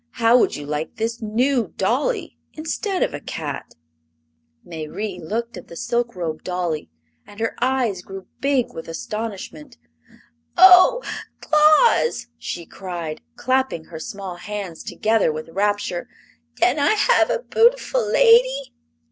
"How would you like this new dolly, instead of a cat?" Mayrie looked at the silk robed dolly and her eyes grew big with astonishment. "Oh, Tlaus!" she cried, clapping her small hands together with rapture; "tan I have 'at boo'ful lady?"